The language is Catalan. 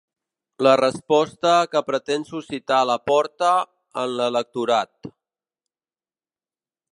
La resposta que pretén suscitar Laporta en l'electorat.